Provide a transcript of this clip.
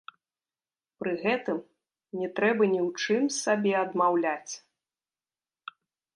Пры гэтым не трэба ні ў чым сабе адмаўляць.